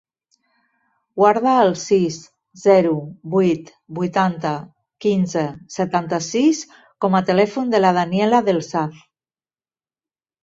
Guarda el sis, zero, vuit, vuitanta, quinze, setanta-sis com a telèfon de la Daniela Del Saz.